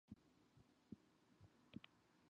Additionally some vehicles were equipped with radio.